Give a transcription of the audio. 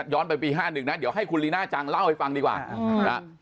ย้อนไปปีห้าหนึ่งนะเดี๋ยวให้คุณลีน่าจังเล่าให้ฟังดีกว่า